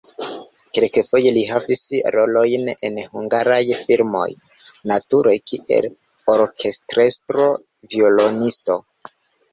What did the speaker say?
Kelkfoje li havis rolojn en hungaraj filmoj, nature kiel orkestrestro-violonisto.